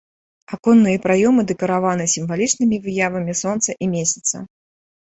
Аконныя праёмы дэкараваны сімвалічнымі выявамі сонца і месяца.